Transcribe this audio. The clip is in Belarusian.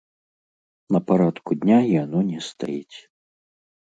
На парадку дня яно не стаіць.